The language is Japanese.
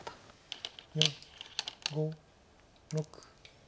４５６。